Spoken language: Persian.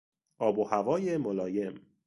آب و هوای ملایم